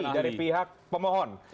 saksi dari pihak pemohon